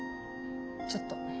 ちょっと。